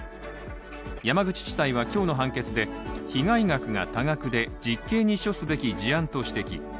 山口地裁は今日の判決で、被害額が多額で実刑に処すべき事案と指摘。